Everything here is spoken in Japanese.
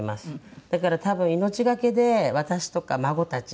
だから多分命懸けで私とか孫たち